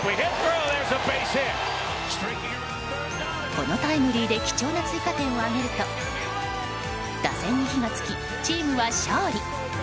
このタイムリーで貴重な追加点を挙げると打線に火が付き、チームは勝利。